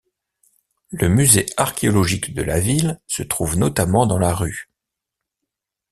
Le musée archéologique de la ville se trouve notamment dans la rue.